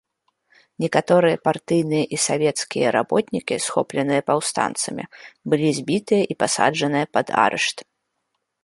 Некаторыя партыйныя і савецкія работнікі, схопленыя паўстанцамі, былі збітыя і пасаджаны пад арышт.